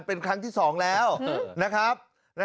เป็นครั้งที่๒แล้วนะครับ